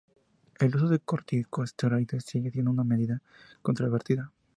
El uso de corticosteroides sigue siendo una medida controvertida.